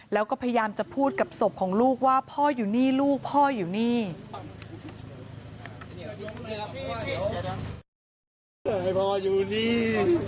แล้วก็พยายามจะพูดกับศพของลูกว่าพ่ออยู่นี่ลูกพ่ออยู่นี่